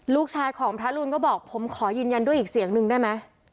ลูกชายของพระรุนก็บอกผมขอยืนยันด้วยอีกเสียงหนึ่งได้ไหม